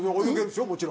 もちろん。